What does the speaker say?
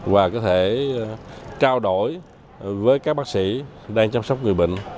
và có thể trao đổi với các bác sĩ đang chăm sóc người bệnh